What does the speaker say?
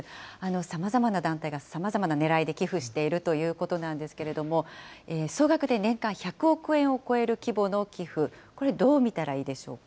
さまざまな団体がさまざまなねらいで寄付しているということなんですけれども、総額で年間１００億円を超える規模の寄付、これ、